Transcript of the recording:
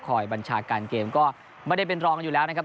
บัญชาการเกมก็ไม่ได้เป็นรองอยู่แล้วนะครับ